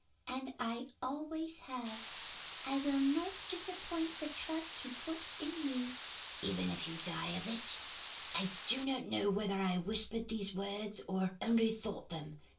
And I always have. I will not disappoint the trust he put in me.' "'Even if you die of it?' "I do not know whether I whispered these words or only thought them.